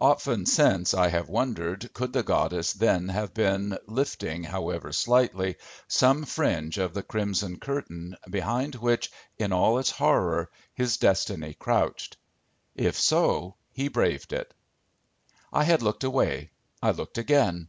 Often since I have wondered could the goddess then have been lifting, however slightly, some fringe of the crimson curtain, behind which, in all its horror, his destiny crouched. If so, he braved it. I had looked away. I looked again.